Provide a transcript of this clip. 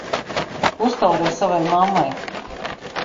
Uztaurē savai mammai!